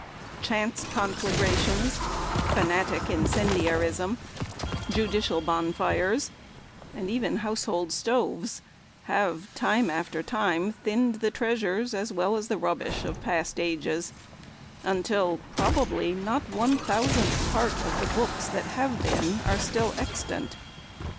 Chance conflagrations, fanatic incendiarism, judicial bonfires, and even household stoves have, time after time, thinned the treasures as well as the rubbish of past ages, until, probably, not one thousandth part of the books that have been are still extant.